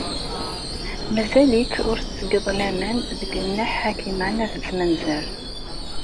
Mazal-ik ur tettgeḍ laman deg Nna Ḥakima n At Zmenzer.